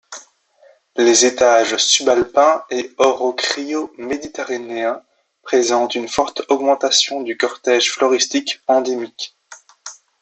Les étages subalpin et oro-cryoméditérranéen présentent une forte augmentation du cortège floristique endémique.